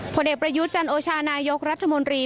ผลเอกประยุทธ์จันโอชานายกรัฐมนตรี